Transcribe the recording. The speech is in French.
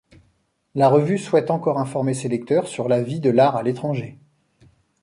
La revue souhaite encore informer ses lecteurs sur la vie de l'art à l'étranger.